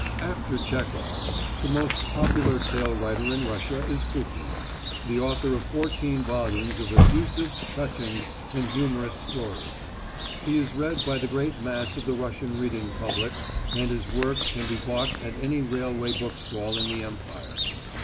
After Chekhof the most popular tale writer in Russia is Kuprin, the author of fourteen volumes of effusive, touching and humorous stories. He is read by the great mass of the Russian reading public, and his works can be bought at any railway bookstall in the Empire.